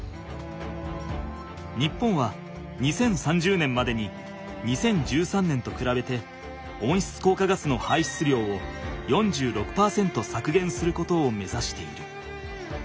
日本は２０３０年までに２０１３年とくらべて温室効果ガスの排出量を４６％さくげんすることを目指している。